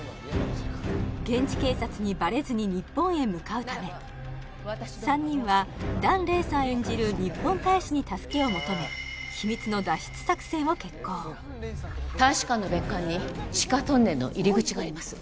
現地警察にバレずに日本へ向かうため３人は檀れいさん演じる日本大使に助けを求め秘密の脱出作戦を決行大使館の別館に地下トンネルの入り口があります